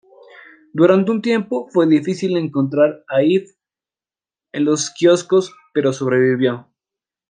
Durante un tiempo, fue difícil encontrar a "If" en los quioscos, pero sobrevivió.